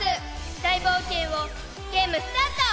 大冒険をゲームスタート！